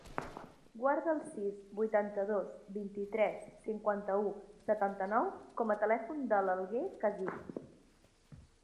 Guarda el sis, vuitanta-dos, vint-i-tres, cinquanta-u, setanta-nou com a telèfon de l'Alguer Casillas.